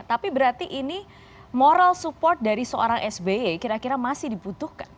tapi berarti ini moral support dari seorang sby kira kira masih dibutuhkan